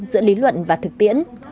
giữa lý luận và thực tiễn